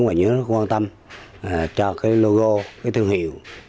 và những nước quan tâm cho cái logo cái thương hiệu